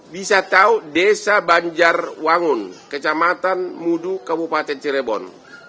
bisa tahu desa banjar wangun kecamatan mudu kabupaten cirebon